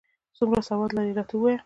څومره سواد لرې، راته ووایه ؟